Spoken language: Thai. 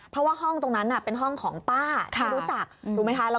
เพราะว่าห้องตรงนั้นเป็นห้องของป้าที่รู้จักถูกไหมคะ